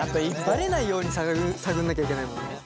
バレないように探んなきゃいけないもんね。